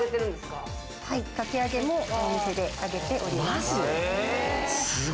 かき揚げもお店で揚げております。